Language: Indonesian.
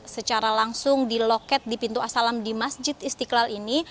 secara langsung di loket di pintu asalam di masjid istiqlal ini